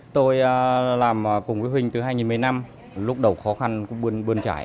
tôi làm cùng với huỳnh từ hai nghìn một mươi năm lúc đầu khó khăn cũng bươn trải